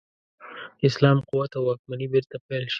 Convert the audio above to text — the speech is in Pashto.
اسلام قوت او واکمني بیرته پیل شي.